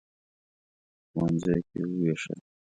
په ښوونځیو کې ووېشل.